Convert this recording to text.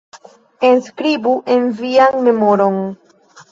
Enskribu en vian memoron.